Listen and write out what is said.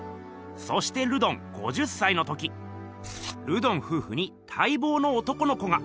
そしてルドン５０歳の時ルドンふうふにたいぼうの男の子が。